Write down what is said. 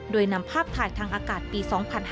โดยนำภาพถ่ายทางอากาศปี๒๕๕๙